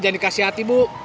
jangan dikasih hati bu